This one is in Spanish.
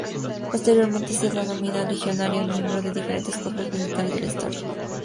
Posteriormente se denomina legionario a un miembro de diferentes cuerpos militares de la historia.